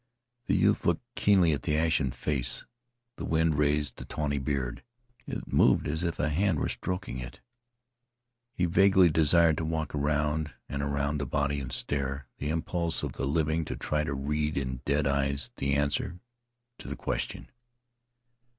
The youth looked keenly at the ashen face. The wind raised the tawny beard. It moved as if a hand were stroking it. He vaguely desired to walk around and around the body and stare; the impulse of the living to try to read in dead eyes the answer to the Question.